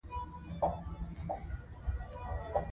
کندهار د افغانستان د سیمه ییزو اقتصادونو لپاره بنسټیز ځای دی.